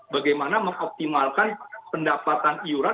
bagaimana mengoptimalkan pendapatan iuran